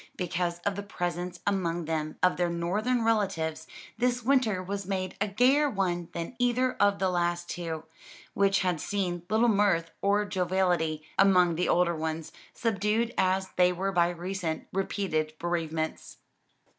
Because of the presence among them of their northern relatives, this winter was made a gayer one than either of the last two, which had seen little mirth or jovialty among the older ones, subdued as they were by recent, repeated bereavements.